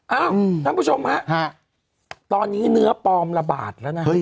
เอ้าอืมท่านผู้ชมฮะฮะตอนนี้เนื้อปลอมละบาทแล้วน่ะเฮ้ย